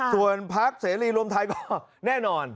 ส่วนพักเสรีรวมไทยก็แน่นอน